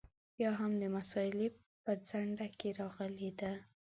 یا هم د مسألې په څنډه کې راغلې ده.